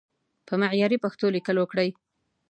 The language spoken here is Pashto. په معياري پښتو ليکل وکړئ!